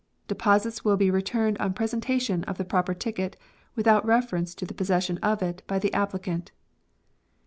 Deposits will be returned on presentation of the proper ticket with out reference to the possession of it by the appli cant."